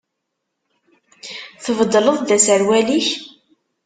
Tbeddleḍ-d aserwal-ik?